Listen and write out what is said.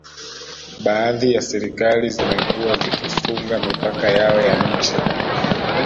Baadhi ya serikali zimekuwa zikifunga mipaka yao ya nchi